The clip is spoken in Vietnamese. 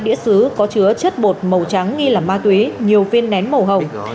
một đĩa sử dụng có chứa chất bột màu trắng nghi là ma túy nhiều viên nén màu hồng